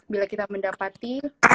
bila kita mendapati